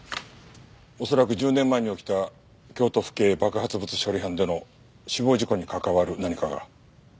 恐らく１０年前に起きた京都府警爆発物処理班での死亡事故に関わる何かが。